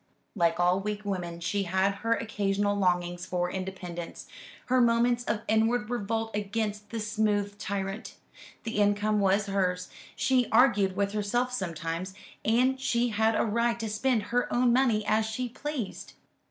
Like all weak women she had her occasional longings for independence, her moments of inward revolt against the smooth tyrant. The income was hers, she argued with herself sometimes, and she had a right to spend her own money as she pleased.